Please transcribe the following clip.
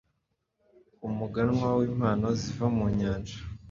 Umuganwa wimpano ziva mu nyanja